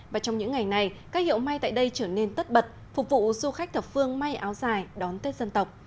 và trong những ngày này các hiệu may tại đây trở nên tất bật phục vụ du khách thập phương may áo dài đón tết dân tộc